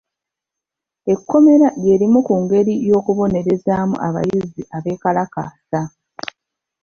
Ekkomera lye limu ku ngeri y'okubonerezaamu abayizi abeekalakaasa.